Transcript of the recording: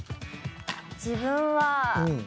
自分は。